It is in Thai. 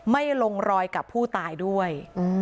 ไม่ลงรอยกับผู้ตายด้วย